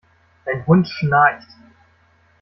Dein Hund schnarcht!